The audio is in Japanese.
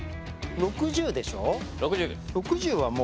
６０でしょう？